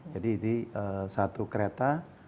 jadi satu kereta